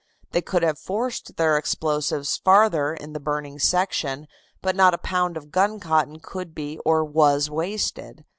They could have forced their explosives farther in the burning section, but not a pound of guncotton could be or was wasted.